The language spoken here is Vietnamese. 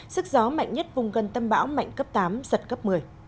sức gió mạnh nhất vùng gần tâm bão mạnh cấp tám giật cấp một mươi